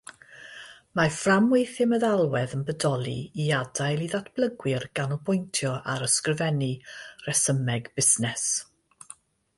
Mae fframweithiau meddalwedd yn bodoli i adael i ddatblygwyr ganolbwyntio ar ysgrifennu rhesymeg busnes.